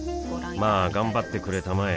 まあ頑張ってくれたまえ